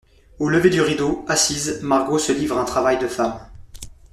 Au lever du rideau, assise, Margot se livre à un travail de femme.